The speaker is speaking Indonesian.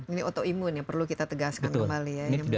ini autoimun ya perlu kita tegaskan kembali ya